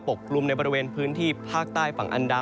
กลุ่มในบริเวณพื้นที่ภาคใต้ฝั่งอันดา